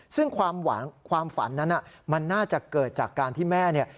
ซึ่งความฝันนั้นมันน่าจะเกิดจากการที่แม่เนี่ย